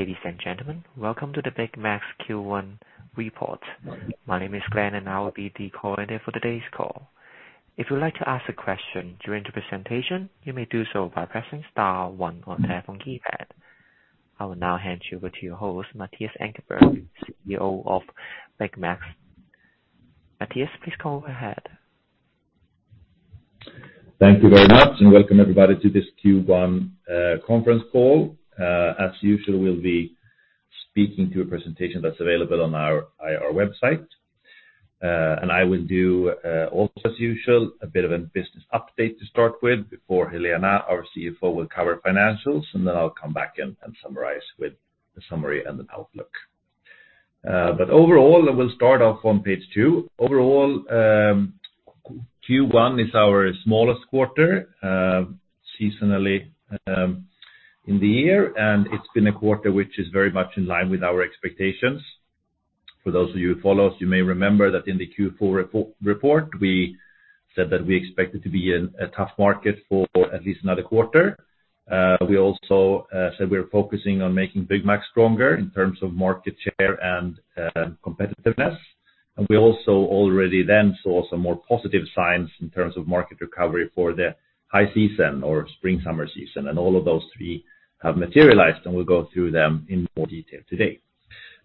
Ladies and gentlemen, welcome to the Byggmax Q1 report. My name is Glen, and I will be the coordinator for today's call. If you would like to ask a question during the presentation, you may do so by pressing star one on your telephone keypad. I will now hand you over to your host, Mattias Ankarberg, CEO of Byggmax. Mattias, please go ahead. Thank you very much, welcome everybody to this Q1 conference call. As usual, we'll be speaking to a presentation that's available on our IR website. I will do also as usual, a bit of a business update to start with before Helena, our CFO, will cover financials, then I'll come back and summarize with the summary and the outlook. Overall, we'll start off on page two. Overall, Q1 is our smallest quarter seasonally in the year, and it's been a quarter which is very much in line with our expectations. For those of you who follow us, you may remember that in the Q4 report, we said that we expected to be in a tough market for at least another quarter. We also said we're focusing on making Byggmax stronger in terms of market share and competitiveness. We also already then saw some more positive signs in terms of market recovery for the high season or spring summer season. All of those three have materialized, and we'll go through them in more detail today.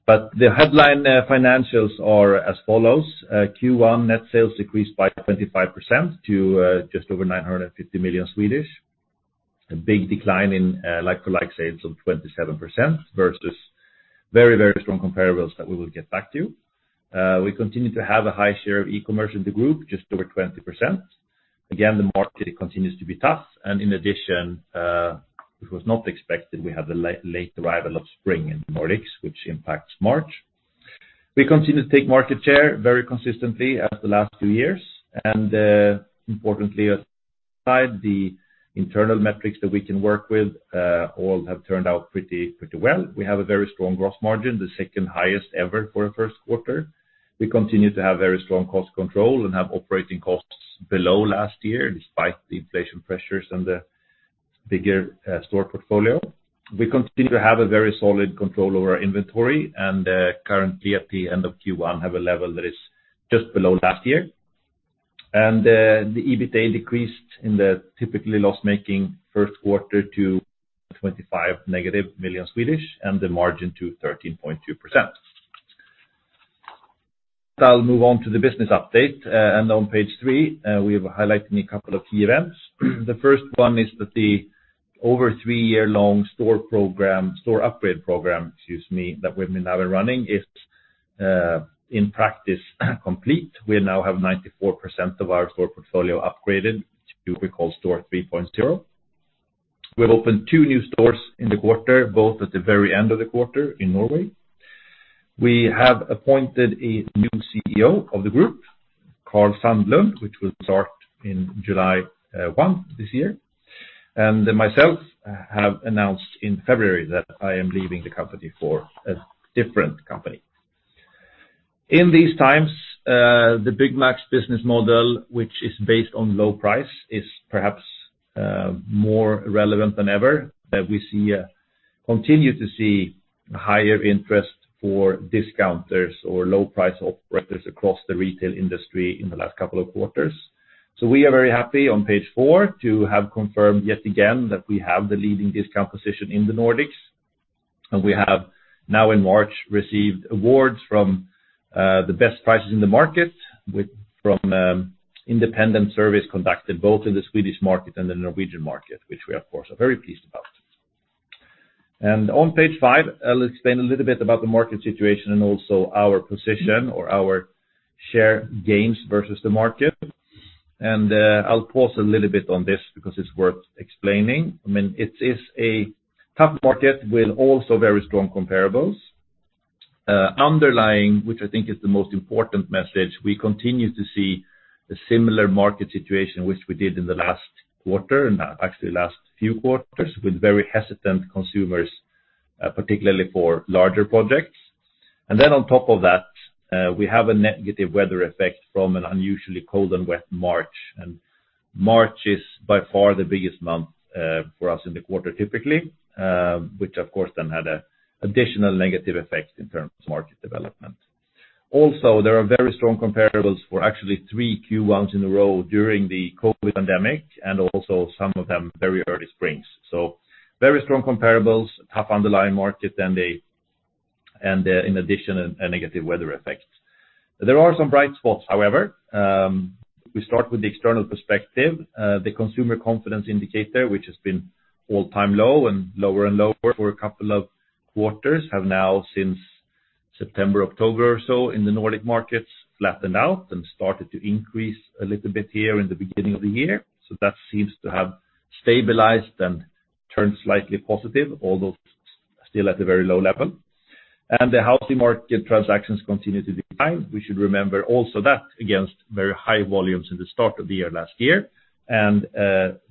The headline financials are as follows. Q1 net sales decreased by 25% to just over 950 million. A big decline in like-for-like sales of 27% versus very, very strong comparables that we will get back to. We continue to have a high share of e-commerce in the group, just over 20%. Again, the market continues to be tough. In addition, which was not expected, we had the late arrival of spring in the Nordics, which impacts March. We continue to take market share very consistently as the last two years. Importantly, aside the internal metrics that we can work with, all have turned out pretty well. We have a very strong gross margin, the second highest ever for a first quarter. We continue to have very strong cost control and have operating costs below last year, despite the inflation pressures and the bigger store portfolio. We continue to have a very solid control over our inventory and currently at the end of Q1 have a level that is just below last year. The EBITDA decreased in the typically loss-making first quarter to negative 25 million and the margin to 13.2%. I'll move on to the business update. On page three, we have highlighted a couple of key events. The first one is that the over three-year long store program, store upgrade program, excuse me, that we've been now running is in practice complete. We now have 94% of our store portfolio upgraded to what we call Store 3.0. We have opened two new stores in the quarter, both at the very end of the quarter in Norway. We have appointed a new CEO of the group, Karl Sandlund, which will start in July 1 this year. Myself have announced in February that I am leaving the company for a different company. In these times, the Byggmax's business model, which is based on low price, is perhaps more relevant than ever, that we see continue to see higher interest for discounters or low price operators across the retail industry in the last couple of quarters. We are very happy on page 4 to have confirmed yet again that we have the leading discount position in the Nordics. We have now in March received awards from the best prices in the market from independent surveys conducted both in the Swedish market and the Norwegian market, which we, of course, are very pleased about. On page five, I'll explain a little bit about the market situation and also our position or our share gains versus the market. I'll pause a little bit on this because it's worth explaining. I mean, it is a tough market with also very strong comparables. Underlying, which I think is the most important message, we continue to see a similar market situation which we did in the last quarter, and actually last few quarters, with very hesitant consumers, particularly for larger projects. On top of that, we have a negative weather effect from an unusually cold and wet March. March is by far the biggest month for us in the quarter, typically, which of course then had a additional negative effect in terms of market development. There are very strong comparables for actually three Q1s in a row during the COVID pandemic, and also some of them very early springs. Very strong comparables, tough underlying market and, in addition, a negative weather effect. There are some bright spots, however. We start with the external perspective. The Consumer Confidence Indicator, which has been all-time low and lower and lower for a couple of quarters, have now since September, October or so in the Nordic markets, flattened out and started to increase a little bit here in the beginning of the year. That seems to have stabilized and turned slightly positive, although still at a very low level. The housing market transactions continue to decline. We should remember also that against very high volumes in the start of the year last year and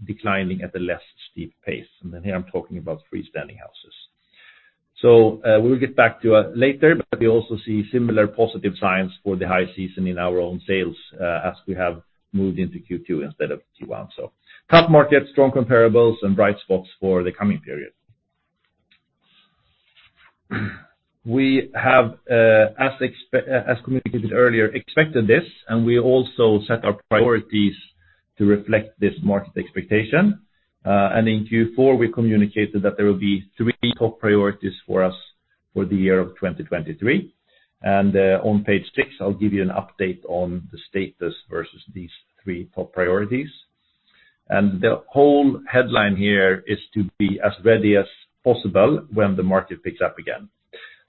declining at a less steep pace. Here I'm talking about freestanding houses. We'll get back to it later, but we also see similar positive signs for the high season in our own sales, as we have moved into Q2 instead of Q1. Tough markets, strong comparables, and bright spots for the coming period. We have, as communicated earlier, expected this, and we also set our priorities to reflect this market expectation. In Q4, we communicated that there will be three top priorities for us for the year of 2023. On page six, I'll give you an update on the status versus these three top priorities. The whole headline here is to be as ready as possible when the market picks up again.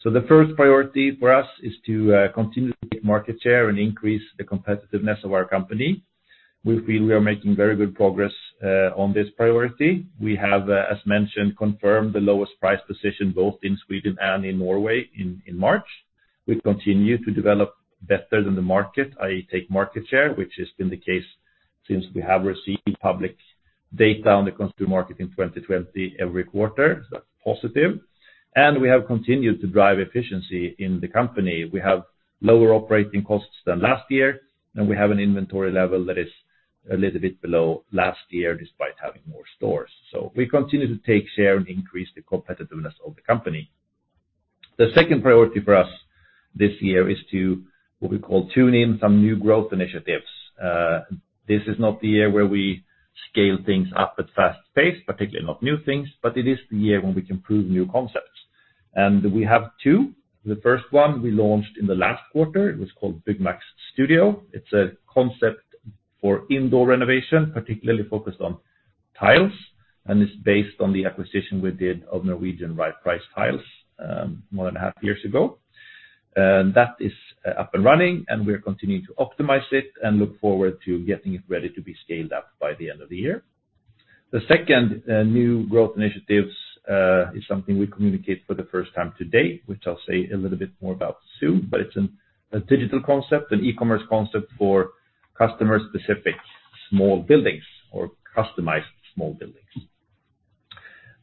The first priority for us is to continue to gain market share and increase the competitiveness of our company. We feel we are making very good progress on this priority. We have, as mentioned, confirmed the lowest price position both in Sweden and in Norway in March. We continue to develop better than the market, i.e. take market share, which has been the case since we have received public data on the consumer market in 2020 every quarter. That's positive. We have continued to drive efficiency in the company. We have lower operating costs than last year, and we have an inventory level that is a little bit below last year despite having more stores. We continue to take share and increase the competitiveness of the company. The second priority for us this year is to, what we call tune in some new growth initiatives. This is not the year where we scale things up at fast pace, particularly not new things, but it is the year when we can prove new concepts. We have two. The first one we launched in the last quarter, it was called Byggmax Studio. It's a concept for indoor renovation, particularly focused on tiles. It's based on the acquisition we did of Norwegian Right Price Tiles, more than half years ago. That is up and running. We're continuing to optimize it and look forward to getting it ready to be scaled up by the end of the year. The second new growth initiatives is something we communicate for the first time today, which I'll say a little bit more about soon. It's a digital concept, an e-commerce concept for customer-specific small buildings or customized small buildings.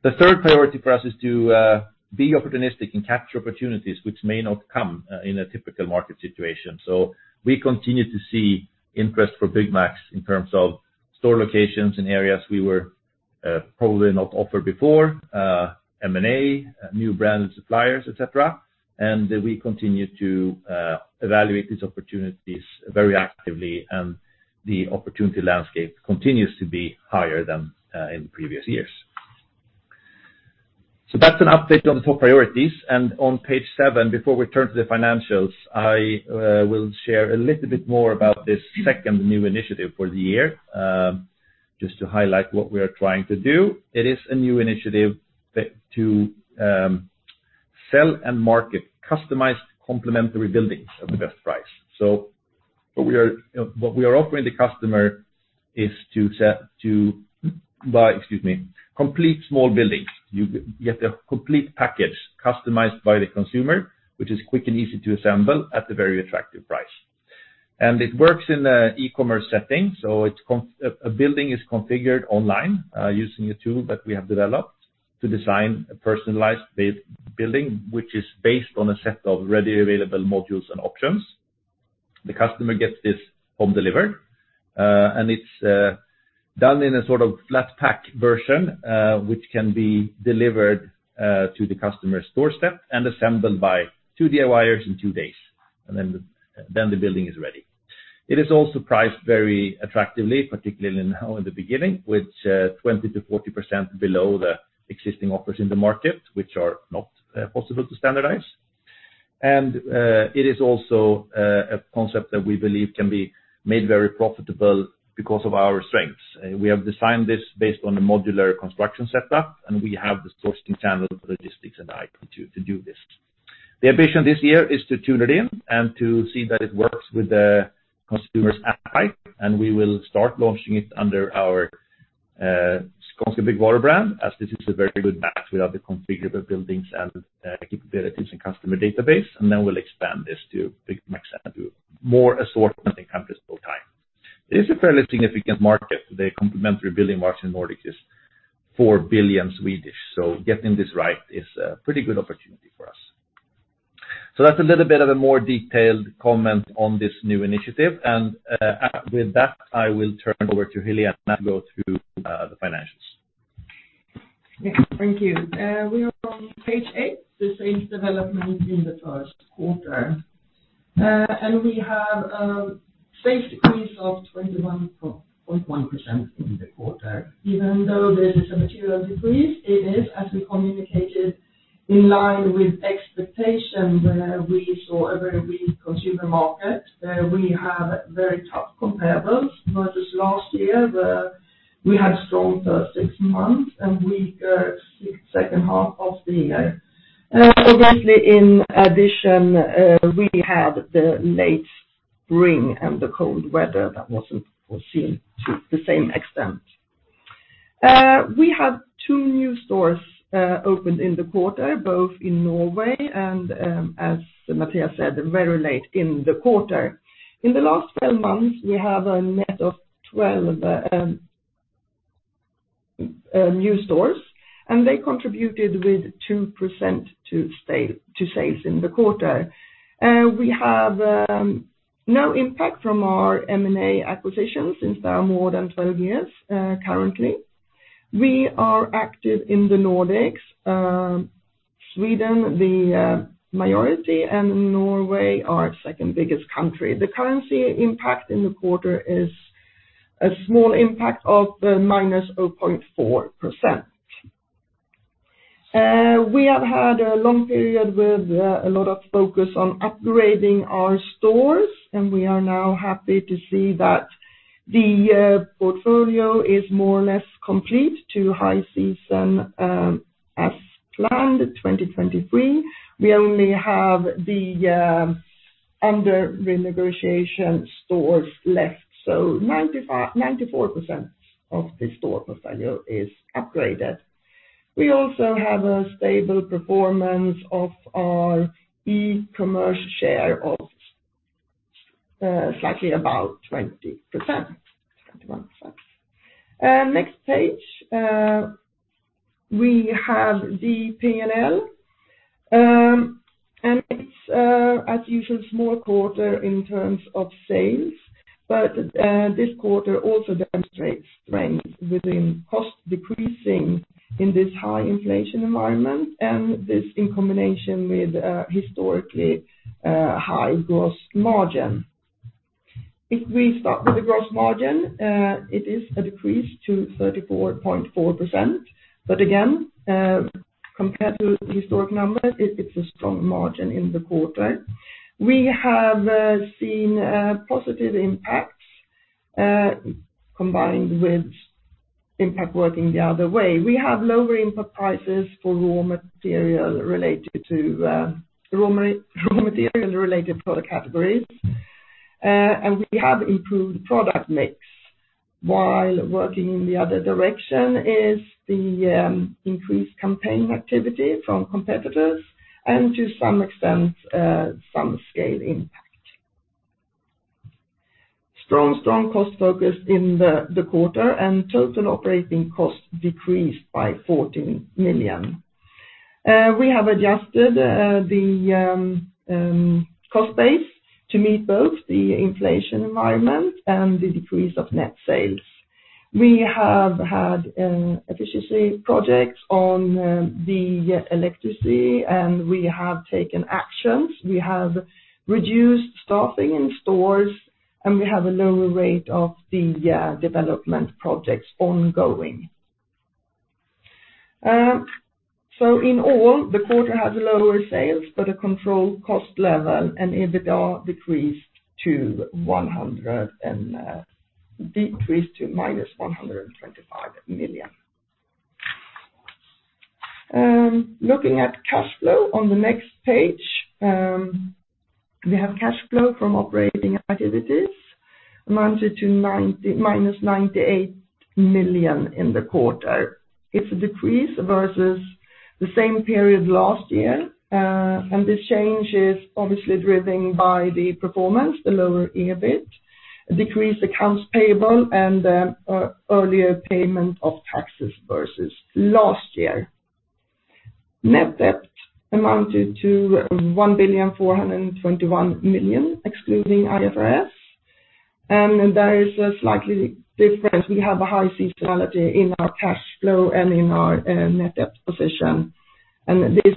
The third priority for us is to be opportunistic and capture opportunities which may not come in a typical market situation. We continue to see interest for Byggmax in terms of store locations in areas we were probably not offered before, M&A, new brand suppliers, et cetera. We continue to evaluate these opportunities very actively, and the opportunity landscape continues to be higher than in previous years. That's an update on the top priorities. On page seven, before we turn to the financials, I will share a little bit more about this second new initiative for the year, just to highlight what we are trying to do. It is a new initiative that to sell and market customized complementary buildings at the best price. What we are offering the customer is to buy, excuse me, complete small buildings. You get a complete package customized by the consumer, which is quick and easy to assemble at a very attractive price. It works in a e-commerce setting, it's a building is configured online, using a tool that we have developed to design a personalized building, which is based on a set of ready available modules and options. The customer gets this home delivered, and it's done in a sort of flat pack version, which can be delivered to the customer's doorstep and assembled by two DIYers in two days. Then the building is ready. It is also priced very attractively, particularly now in the beginning, with 20%-40% below the existing offers in the market, which are not possible to standardize. It is also a concept that we believe can be made very profitable because of our strengths. We have designed this based on a modular construction setup, and we have the sourcing channel for logistics and IT to do this. The ambition this year is to tune it in and to see that it works with the consumer's appetite, and we will start launching it under our Skånska Byggvaror brand, as this is a very good match with other configurable buildings and capabilities and customer database. We'll expand this to Byggmax and do more assortment in countries over time. It is a fairly significant market. The complementary building market in Nordic is 4 billion. Getting this right is a pretty good opportunity for us. That's a little bit of a more detailed comment on this new initiative. With that, I will turn over to Hilli and now go through the financials. Yeah. Thank you. We are on page 8, the sales development in the first quarter. We have sales decrease of 21.1% in the quarter. Even though there is a material decrease, it is, as we communicated, in line with expectation where we saw a very weak consumer market. We have very tough comparables versus last year, where we had strong first six months and weak second half of the year. Obviously, in addition, we had the late spring and the cold weather that wasn't foreseen to the same extent. We have two new stores opened in the quarter, both in Norway, and as Mattias said, very late in the quarter. In the last 12 months, we have a net of 12 new stores. They contributed with 2% to sales in the quarter. We have no impact from our M&A acquisitions since they are more than 12 years currently. We are active in the Nordics, Sweden, the majority, and Norway, our second biggest country. The currency impact in the quarter is a small impact of minus 0.4%. We have had a long period with a lot of focus on upgrading our stores. We are now happy to see that the portfolio is more or less complete to high season as planned 2023. We only have the under renegotiation stores left. 94% of the store portfolio is upgraded. We also have a stable performance of our e-commerce share of slightly above 20%, 21%. Next page, we have the P&L. It's as usual, small quarter in terms of sales, but this quarter also demonstrates strength within cost decreasing in this high inflation environment and this in combination with historically high gross margin. If we start with the gross margin, it is a decrease to 34.4%. Again, compared to historic numbers, it's a strong margin in the quarter. We have seen positive impacts combined with impact working the other way. We have lower input prices for raw material related to raw material related product categories. We have improved product mix while working in the other direction is the increased campaign activity from competitors and to some extent, some scale impact. Strong cost focus in the quarter and total operating costs decreased by 14 million. We have adjusted the cost base to meet both the inflation environment and the decrease of net sales. We have had efficiency projects on the electricity, and we have taken actions. We have reduced staffing in stores, and we have a lower rate of the development projects ongoing. In all, the quarter has lower sales but a controlled cost level and EBITDA decreased to -125 million. Looking at cash flow on the next page. We have cash flow from operating activities amounted to -98 million in the quarter. It's a decrease versus the same period last year, this change is obviously driven by the performance, the lower EBIT, decreased accounts payable, and earlier payment of taxes versus last year. Net debt amounted to 1,421 million, excluding IFRS, there is a slightly difference. We have a high seasonality in our cash flow and in our net debt position, this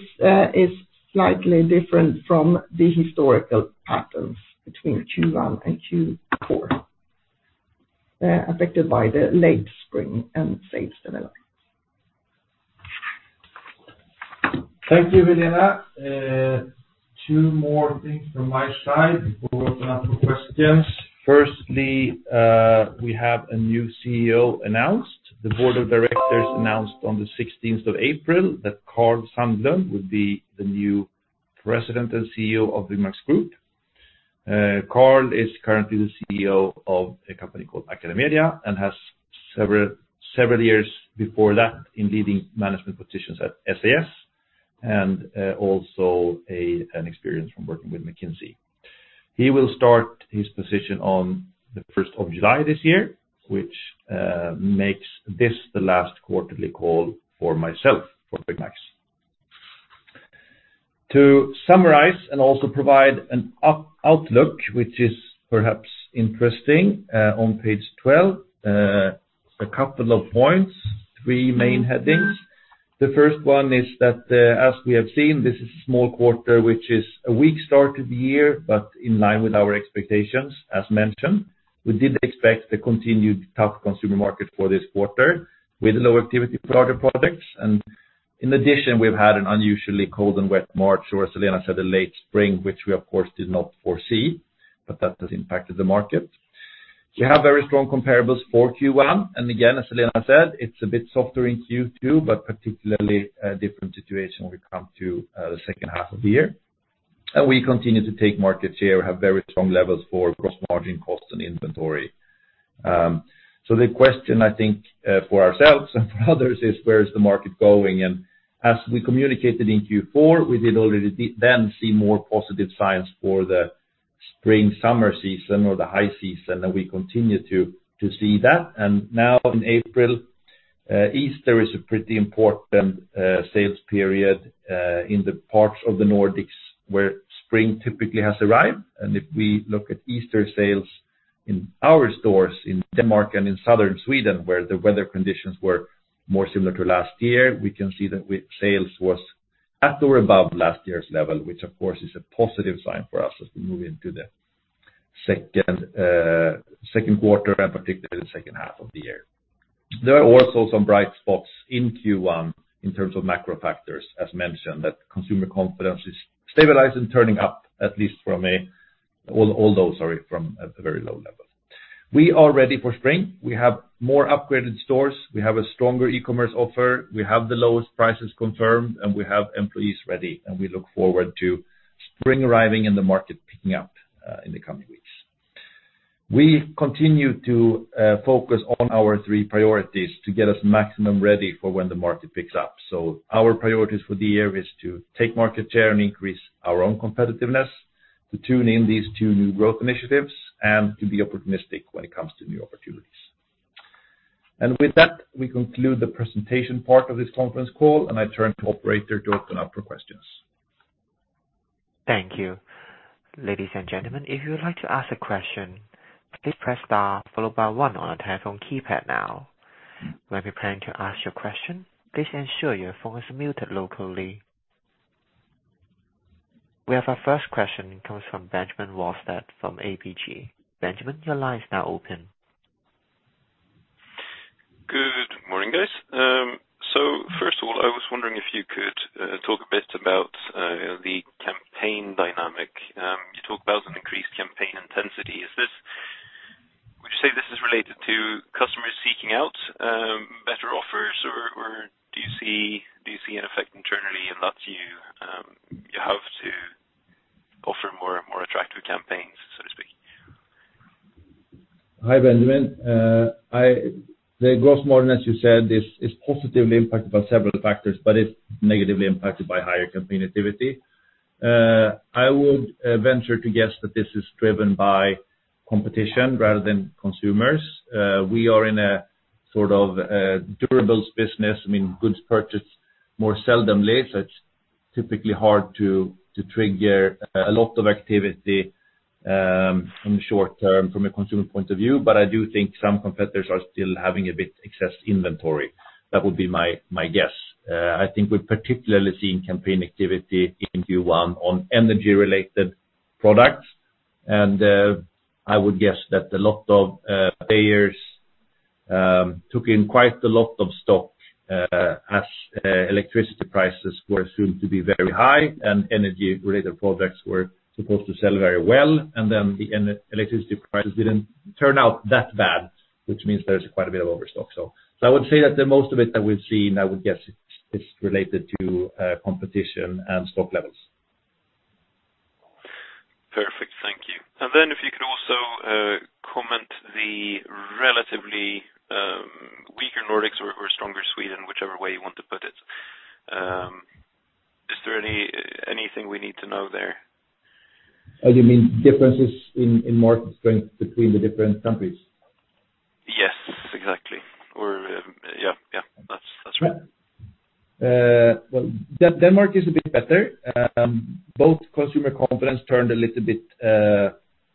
is slightly different from the historical patterns between Q1 and Q4, affected by the late spring and sales developments. Thank you, Helena. two more things from my side before we open up for questions. Firstly, we have a new CEO announced. The board of directors announced on the 16th of April that Karl Sandlund will be the new President and CEO of Byggmax Group. Karl is currently the CEO of a company called AcadeMedia and has several years before that in leading management positions at SAS and an experience from working with McKinsey. He will start his position on the 1st of July this year, which makes this the last quarterly call for myself for Byggmax. To summarize and also provide an outlook, which is perhaps interesting, on page 12, a couple of points, three main headings. The first one is that, as we have seen, this is a small quarter, which is a weak start to the year, but in line with our expectations as mentioned. We did expect a continued tough consumer market for this quarter with low activity product projects. In addition, we've had an unusually cold and wet March, or as Helena said, a late spring, which we of course did not foresee, but that has impacted the market. We have very strong comparables for Q1, and again, as Helena said, it's a bit softer in Q2, but particularly a different situation when we come to the second half of the year. We continue to take market share. We have very strong levels for gross margin costs and inventory. The question I think, for ourselves and for others is where is the market going? As we communicated in Q4, we did already the-then see more positive signs for the spring, summer season or the high season, and we continue to see that. Now in April, Easter is a pretty important sales period in the parts of the Nordics where spring typically has arrived. If we look at Easter sales in our stores in Denmark and in southern Sweden, where the weather conditions were more similar to last year, we can see that with sales was at or above last year's level, which of course is a positive sign for us as we move into the second quarter, and particularly the second half of the year. There are also some bright spots in Q1 in terms of macro factors, as mentioned, that consumer confidence is stabilized and turning up, at least from a Although, sorry, from a very low level. We are ready for spring. We have more upgraded stores, we have a stronger e-commerce offer, we have the lowest prices confirmed, we have employees ready, and we look forward to spring arriving and the market picking up in the coming weeks. We continue to focus on our three priorities to get us maximum ready for when the market picks up. Our priorities for the year is to take market share and increase our own competitiveness, to tune in these two new growth initiatives and to be opportunistic when it comes to new opportunities. With that, we conclude the presentation part of this conference call, and I turn to operator to open up for questions. Thank you. Ladies and gentlemen, if you would like to ask a question, please press star followed by one on your telephone keypad now. When preparing to ask your question, please ensure your phone is muted locally. We have our first question. It comes from Benjamin Wolstad from ABG. Benjamin, your line is now open. Good morning, guys. First of all, I was wondering if you could talk a bit about the campaign dynamic. You talk about an increased campaign intensity. Would you say this is related to customers seeking out better offers or do you see an effect internally and that you have to offer more attractive campaigns, so to speak? Hi, Benjamin. The growth margin, as you said, is positively impacted by several factors, it's negatively impacted by higher campaign activity. I would venture to guess that this is driven by competition rather than consumers. We are in a sort of durables business. I mean, goods purchased more seldomly, it's typically hard to trigger a lot of activity in the short term from a consumer point of view. I do think some competitors are still having a bit excess inventory. That would be my guess. I think we've particularly seen campaign activity in Q1 on energy-related products. I would guess that a lot of payers took in quite a lot of stock as electricity prices were assumed to be very high and energy-related products were supposed to sell very well. The electricity prices didn't turn out that bad, which means there's quite a bit of overstock. So, I would say that the most of it that we've seen, I would guess it's related to competition and stock levels. Perfect. Thank you. Then if you could also comment the relatively weaker Nordics or stronger Sweden, whichever way you want to put it. Is there anything we need to know there? Oh, you mean differences in market strength between the different countries? Yes, exactly. Yeah, that's right. Well, Denmark is a bit better. Both Consumer Confidence turned a little bit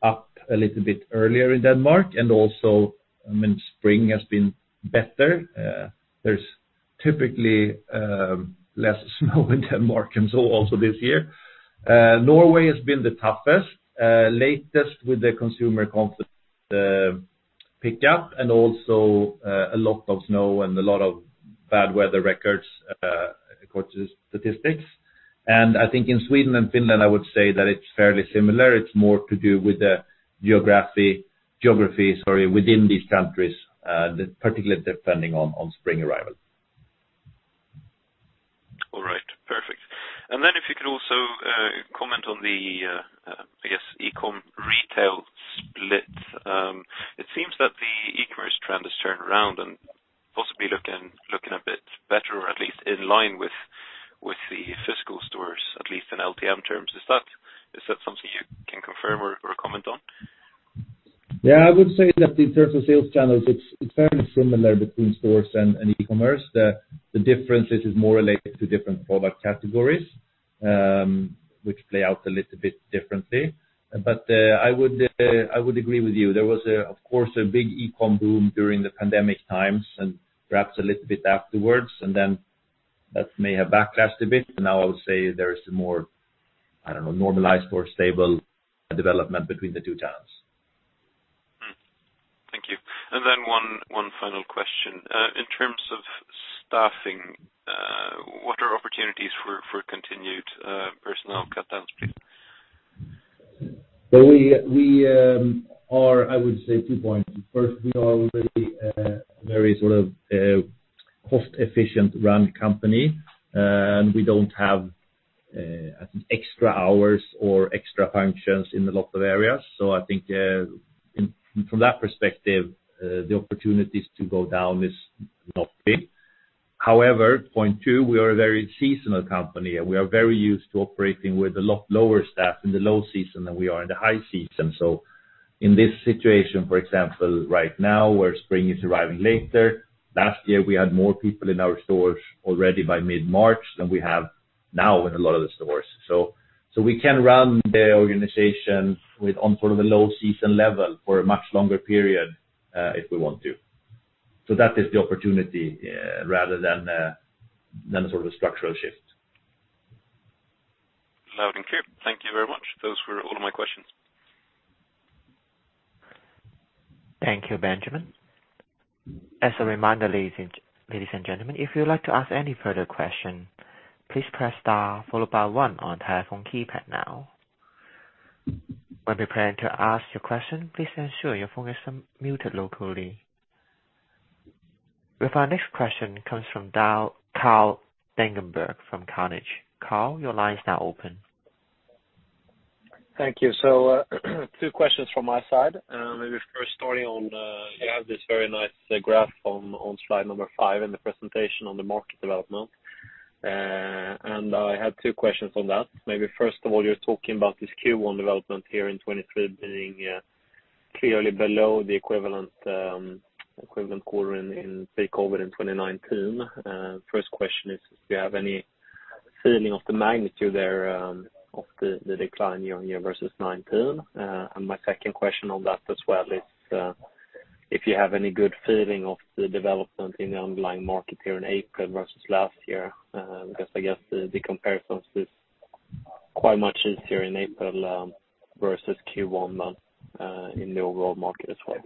up a little bit earlier in Denmark and also, I mean, spring has been better. There's typically less snow in Denmark and so also this year. Norway has been the toughest latest with the Consumer Confidence pick up and also a lot of snow and a lot of bad weather records according to statistics. I think in Sweden and Finland, I would say that it's fairly similar. It's more to do with the geography, sorry, within these countries, particularly depending on spring arrival. All right. Perfect. If you could also comment on the, I guess, eCom retail split. It seems that the e-commerce trend has turned around and possibly looking a bit better, or at least in line with the physical stores, at least in LTM terms. Is that something you can confirm or comment on? Yeah. I would say that in terms of sales channels, it's fairly similar between stores and e-commerce. The differences is more related to different product categories, which play out a little bit differently. I would agree with you. There was, of course, a big eCom boom during the pandemic times and perhaps a little bit afterwards, and then that may have backlast a bit. Now I would say there is more, I don't know, normalized or stable development between the two channels. Thank you. Then one final question. In terms of staffing, what are opportunities for continued personnel cutdowns, please? Well, we I would say two points. First, we are already a very sort of cost-efficient run company. We don't have, I think extra hours or extra functions in a lot of areas. I think, from that perspective, the opportunities to go down is not big. However, point two, we are a very seasonal company, and we are very used to operating with a lot lower staff in the low season than we are in the high season. In this situation, for example, right now, where spring is arriving later, last year we had more people in our stores already by mid-March than we have now in a lot of the stores. We can run the organization with on sort of a low season level for a much longer period, if we want to. That is the opportunity, rather than a sort of a structural shift. Loud and clear. Thank you very much. Those were all of my questions. Thank you, Benjamin. As a reminder, ladies and gentlemen, if you'd like to ask any further question, please press star followed by one on telephone keypad now. When preparing to ask your question, please ensure your phone is muted locally. With our next question comes from Carl De Geer from Carnegie. Carl, your line is now open. Thank you. two questions from my side. Maybe first starting on, you have this very nice graph on slide number five in the presentation on the market development. I had two questions on that. Maybe first of all, you're talking about this Q1 development here in 2023 being, clearly below the equivalent quarter in, say, COVID in 2019. First question is, if you have any feeling of the magnitude there, of the decline year-on-year versus 19. My second question on that as well is, if you have any good feeling of the development in the underlying market here in April versus last year, because I guess the comparisons is quite much easier in April, versus Q1 month, in the overall market as well.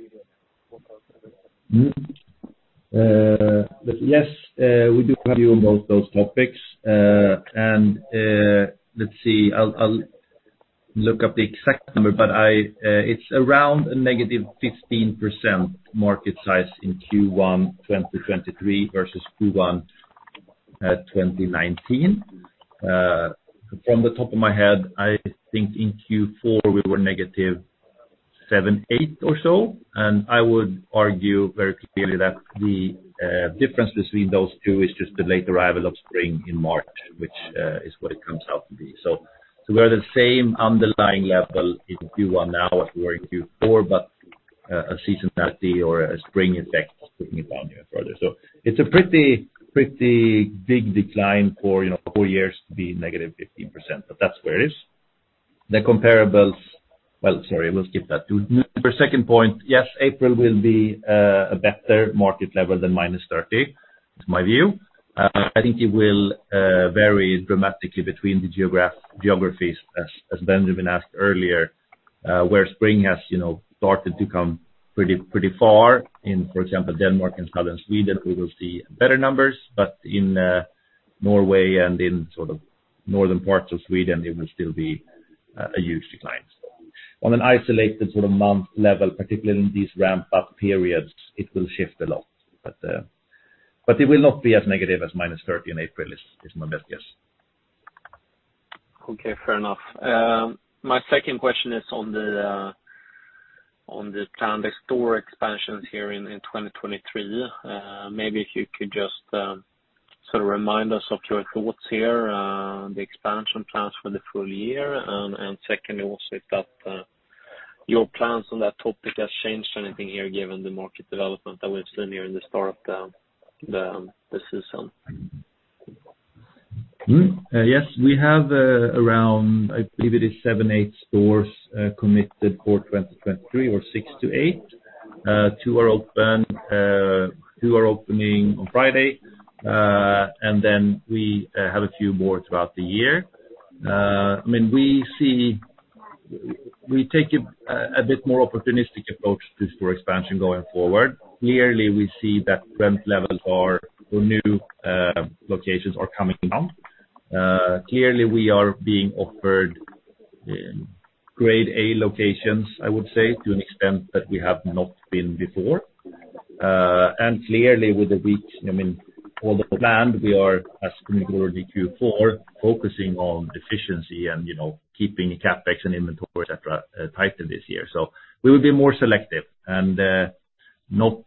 Yes, we do have you on both those topics. Let's see, I'll look up the exact number, but I it's around a -15% market size in Q1 2023 versus Q1 2019. From the top of my head, I think in Q4, we were -7%, -8% or so. I would argue very clearly that the difference between those two is just the late arrival of spring in March, which is what it comes out to be. We're the same underlying level in Q1 now as we were in Q4, but a seasonality or a spring effect is putting it down even further. It's a pretty big decline for, you know, four years to be -15%, but that's where it is. The comparables. Sorry, we'll skip that. To your second point, yes, April will be a better market level than -30%, it's my view. I think it will vary dramatically between the geographies, as Benjamin Wolstad asked earlier, where spring has, you know, started to come pretty far in, for example, Denmark and Southern Sweden, we will see better numbers. In Norway and in sort of northern parts of Sweden, it will still be a huge decline. On an isolated sort of month level, particularly in these ramp-up periods, it will shift a lot. It will not be as negative as -30% in April is my best guess. Okay, fair enough. My second question is on the planned store expansions here in 2023. Maybe if you could just sort of remind us of your thoughts here, the expansion plans for the full year. Secondly, also if that your plans on that topic has changed anything here given the market development that we've seen here in the start of the season? Yes, we have around I believe it is 7, 8 stores committed for 2023 or 6-8. Two are open, two are opening on Friday. Then we have a few more throughout the year. I mean, we see. We take a bit more opportunistic approach to store expansion going forward. Clearly, we see that rent levels are for new locations are coming down. Clearly, we are being offered grade A locations, I would say to an extent that we have not been before. Clearly with the reach I mean, all the planned, we are, as communicated Q4, focusing on efficiency and you know, keeping CapEx and inventory etcetera tight this year. We will be more selective and, not,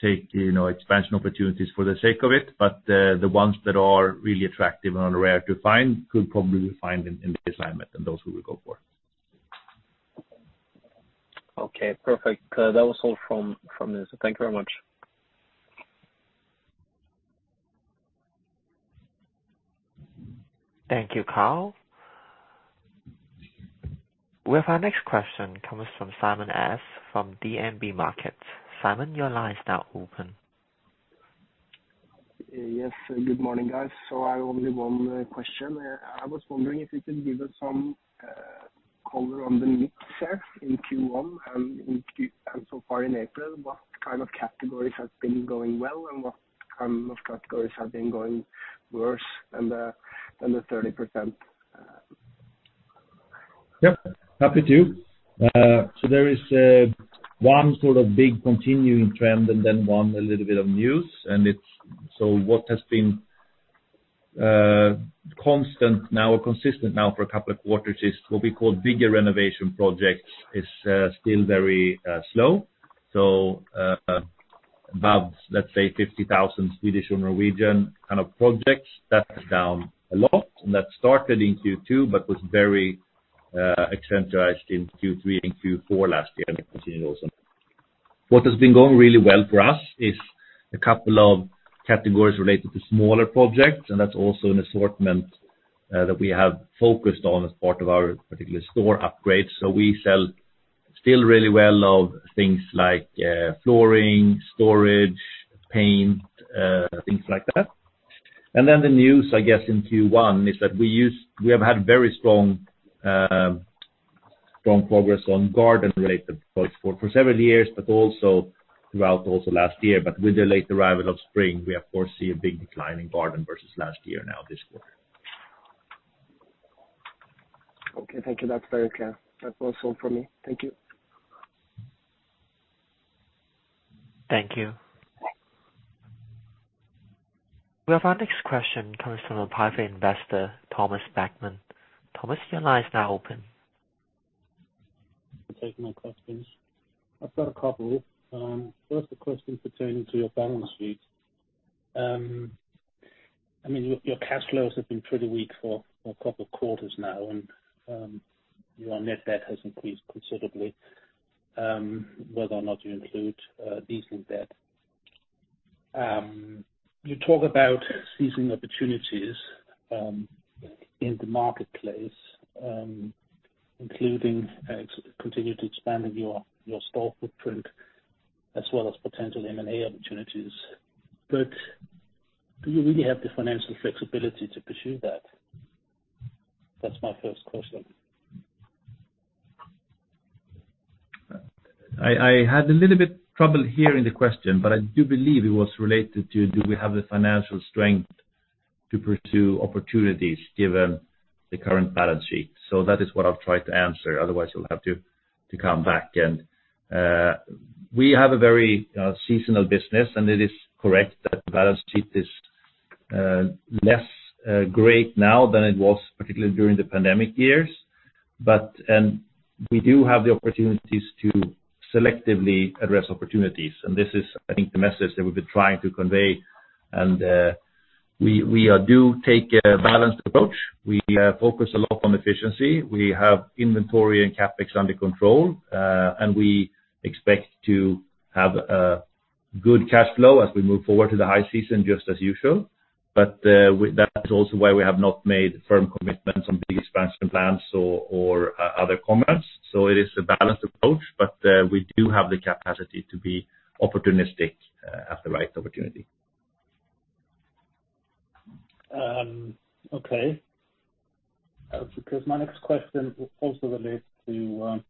take, you know, expansion opportunities for the sake of it, but, the ones that are really attractive and are rare to find could probably find in the assignment and those we will go for. Okay, perfect. that was all from me. thank you very much. Thank you, Carl. We have our next question comes from Simon S. from DNB Markets. Simon, your line is now open. Yes. Good morning, guys. I only one question. I was wondering if you could give us some color on the mix there in Q1 and so far in April, what kind of categories have been going well and what kind of categories have been going worse than the 30%? Yep, happy to. There is one sort of big continuing trend and then one a little bit of news, and it's What has been Constant now or consistent now for a couple of quarters is what we call bigger renovation projects is still very slow. About, let's say 50,000 Swedish and Norwegian kind of projects, that's down a lot. That started in Q2 but was very accenturized in Q3 and Q4 last year, and it continued also. What has been going really well for us is a couple of categories related to smaller projects, and that's also an assortment that we have focused on as part of our particular store upgrades. We sell still really well of things like flooring, storage, paint, things like that. The news, I guess, in Q1 is that we have had very strong progress on garden-related products for several years, but also throughout also last year. With the late arrival of spring, we of course see a big decline in garden versus last year now this quarter. Okay, thank you. That's very clear. That's all for me. Thank you. Thank you. We have our next question comes from a private investor, Thomas Beckman. Thomas, your line is now open. You can take my questions. I've got a couple. First a question pertaining to your balance sheet. I mean, your cash flows have been pretty weak for a couple of quarters now, and your net debt has increased considerably, whether or not you include leasing debt. You talk about seizing opportunities in the marketplace, including continue to expanding your store footprint as well as potential M&A opportunities. Do you really have the financial flexibility to pursue that? That's my first question. I had a little bit trouble hearing the question. I do believe it was related to do we have the financial strength to pursue opportunities given the current balance sheet. That is what I'll try to answer, otherwise you'll have to come back. We have a very seasonal business, and it is correct that the balance sheet is less great now than it was particularly during the pandemic years. We do have the opportunities to selectively address opportunities. This is, I think, the message that we've been trying to convey. We do take a balanced approach. We focus a lot on efficiency. We have inventory and CapEx under control. We expect to have a good cash flow as we move forward to the high season, just as usual. That's also why we have not made firm commitments on big expansion plans or other comments. It is a balanced approach, but we do have the capacity to be opportunistic, at the right opportunity. Okay. Because my next question also relates to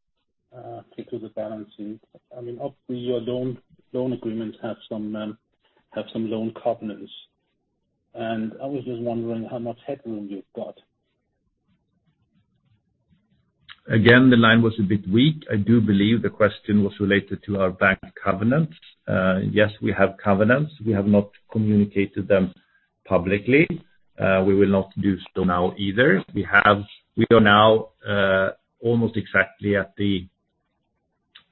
the balance sheet. I mean, obviously, your loan agreements have some loan covenants. I was just wondering how much headroom you've got. Again, the line was a bit weak. I do believe the question was related to our bank covenant. Yes, we have covenants. We have not communicated them publicly. We will not do so now either. We are now almost exactly at the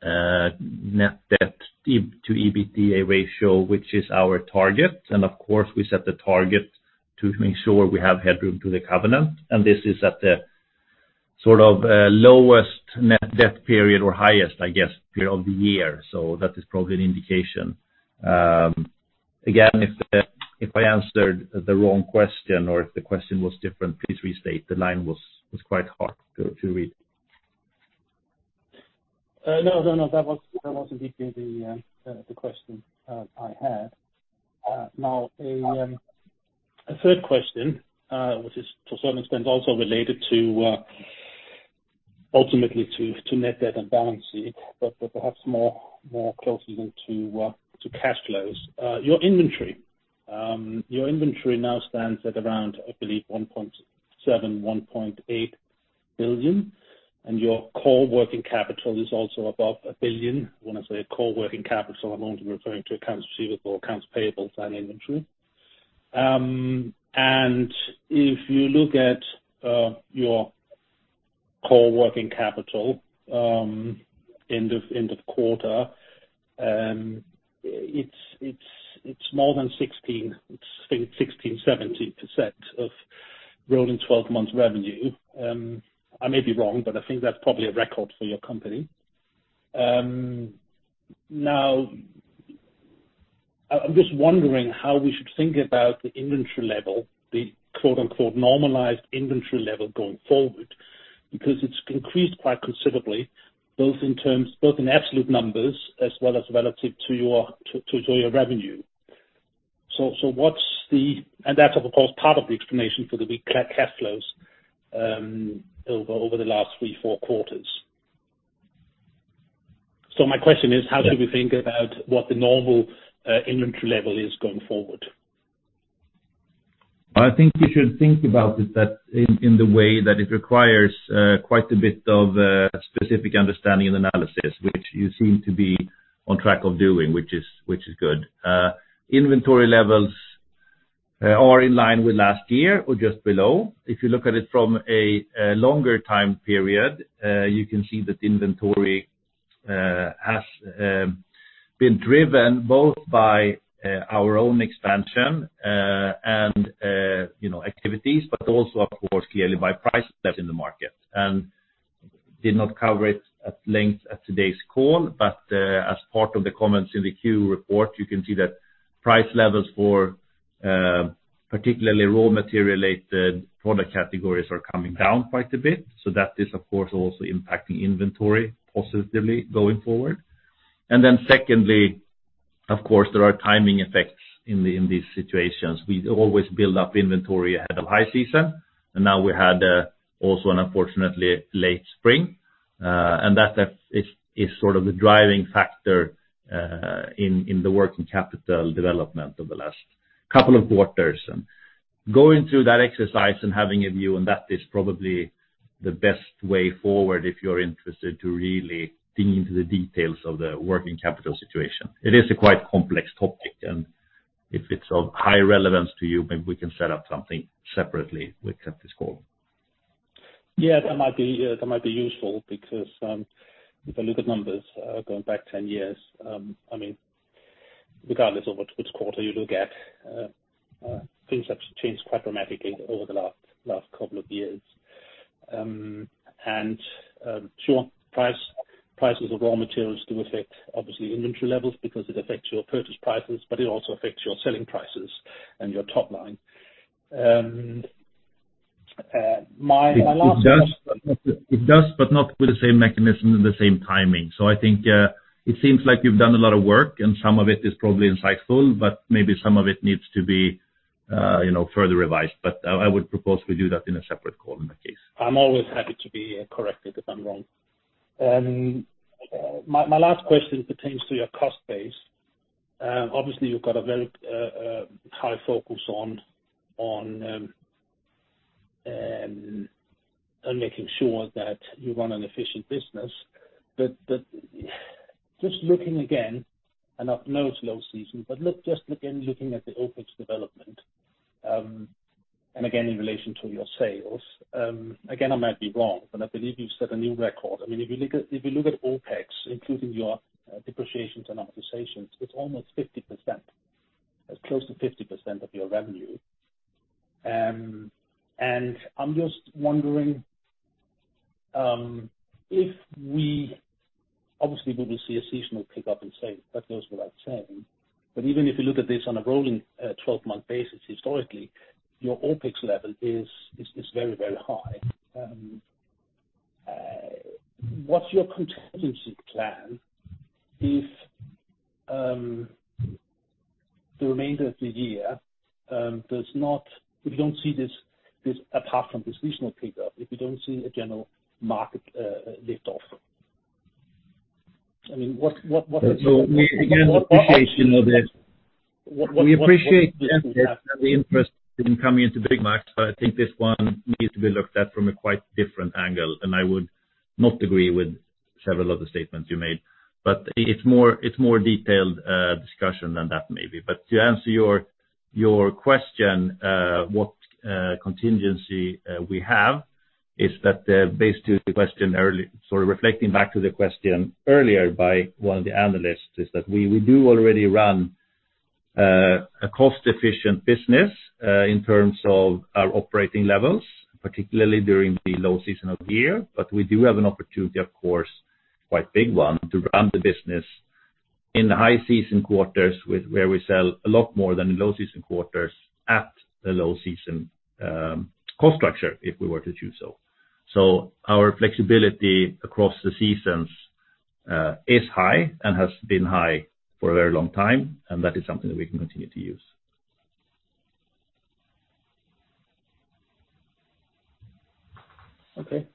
net debt to EBITDA ratio, which is our target. Of course, we set the target to make sure we have headroom to the covenant, and this is at the sort of lowest net debt period or highest, I guess, period of the year. That is probably an indication. Again, if I answered the wrong question or if the question was different, please restate. The line was quite hard to read. No, no, that was indeed the question I had. Now a third question, which is to some extent also related to ultimately to net debt and balance sheet, but perhaps more closely than to cash flows. Your inventory. Your inventory now stands at around, I believe, 1.7 billion-1.8 billion, and your core working capital is also above 1 billion. When I say core working capital, I'm only referring to accounts receivable, accounts payable and inventory. If you look at your core working capital end of quarter, it's more than 16 I think 16%-17% of rolling 12 months revenue. I may be wrong, but I think that's probably a record for your company. Now I'm just wondering how we should think about the inventory level, the quote-unquote normalized inventory level going forward, because it's increased quite considerably, both in absolute numbers as well as relative to your revenue. That's of course, part of the explanation for the weak cash flows over the last three, four quarters. My question is? Yeah. How should we think about what the normal inventory level is going forward? I think you should think about it that in the way that it requires quite a bit of specific understanding and analysis, which you seem to be on track of doing, which is, which is good. Inventory levels are in line with last year or just below. If you look at it from a longer time period, you can see that inventory has been driven both by our own expansion, and, you know, activities, but also, of course, clearly by price that's in the market. Did not cover it at length at today's call, but, as part of the comments in the Q report, you can see that price levels for particularly raw material related product categories are coming down quite a bit. That is, of course, also impacting inventory positively going forward. Secondly, of course, there are timing effects in these situations. We always build up inventory ahead of high season, and now we had also an unfortunately late spring, and that's is sort of the driving factor in the working capital development over the last couple of quarters. Going through that exercise and having a view on that is probably the best way forward if you're interested to really dig into the details of the working capital situation. It is a quite complex topic, and if it's of high relevance to you, maybe we can set up something separately with Kepti's call. Yeah, that might be, that might be useful because, if I look at numbers, going back 10 years, I mean, regardless of which quarter you look at, things have changed quite dramatically over the last couple of years. Sure, prices of raw materials do affect obviously inventory levels because it affects your purchase prices, but it also affects your selling prices and your top line. It does. It does, but not with the same mechanism and the same timing. I think, it seems like you've done a lot of work, and some of it is probably insightful, but maybe some of it needs to be, you know, further revised. I would propose we do that in a separate call in that case. I'm always happy to be corrected if I'm wrong. My last question pertains to your cost base. Obviously you've got a very high focus on making sure that you run an efficient business. Just looking again, I know it's low season, but look, just again, looking at the OpEx development, and again, in relation to your sales, again, I might be wrong, but I believe you've set a new record. I mean, if you look at OpEx, including your depreciations and amortizations, it's almost 50%. That's close to 50% of your revenue. I'm just wondering if we. Obviously we will see a seasonal pickup in sales. That goes without saying. Even if you look at this on a rolling 12-month basis historically, your OpEx level is very, very high. What's your contingency plan if the remainder of the year, if you don't see this apart from this regional pickup, if you don't see a general market liftoff? I mean, what? we again appreciation of the-. What? We appreciate the interest in coming into Byggmax, but I think this one needs to be looked at from a quite different angle, and I would not agree with several of the statements you made. It's more detailed discussion than that maybe. To answer your question, what contingency we have, is that, based to the question early Sort of reflecting back to the question earlier by one of the analysts, is that we do already run a cost-efficient business in terms of our operating levels, particularly during the low season of the year. We do have an opportunity, of course, quite big one, to run the business in the high season quarters with where we sell a lot more than the low season quarters at the low season cost structure, if we were to do so. Our flexibility across the seasons is high and has been high for a very long time, and that is something that we can continue to use. Okay.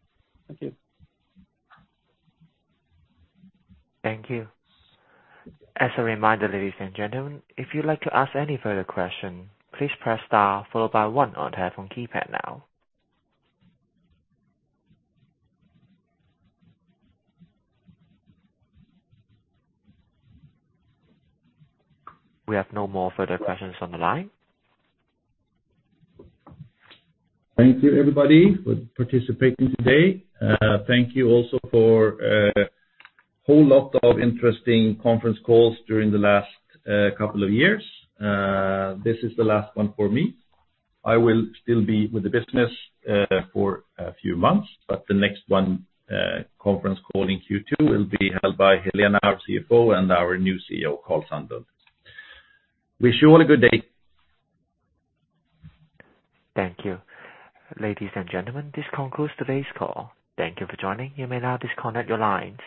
Thank you. Thank you. As a reminder, ladies and gentlemen, if you'd like to ask any further question, please press star followed by one on your telephone keypad now. We have no more further questions on the line. Thank you everybody for participating today. Thank you also for a whole lot of interesting conference calls during the last couple of years. This is the last one for me. I will still be with the business for a few months, but the next one, conference call in Q2 will be held by Helena, our CFO, and our new CEO, Karl Sandel. Wish you all a good day. Thank you. Ladies and gentlemen, this concludes today's call. Thank you for joining. You may now disconnect your lines.